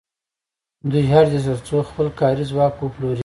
دوی اړ دي تر څو خپل کاري ځواک وپلوري